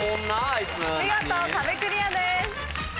見事壁クリアです。